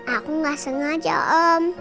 aku gak sengaja om